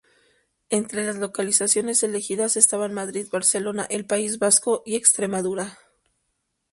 Entre las localizaciones elegidas estaban Madrid, Barcelona, el País Vasco y Extremadura.